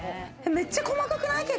めっちゃ細かくない？